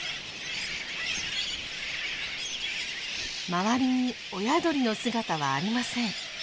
周りに親鳥の姿はありません。